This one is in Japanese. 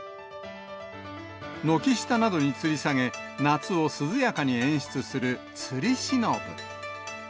軒下などにつり下げ、夏を涼やかに演出するつりしのぶ。